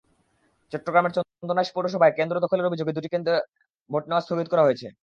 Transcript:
চট্টগ্রামের চন্দনাইশ পৌরসভায় কেন্দ্র দখলের অভিযোগে দুটি কেন্দ্রে ভোট নেওয়া স্থগিত করা হয়েছে।